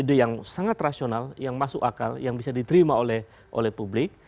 ide yang sangat rasional yang masuk akal yang bisa diterima oleh publik